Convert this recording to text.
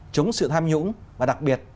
chống sự tham nhũng và đặc biệt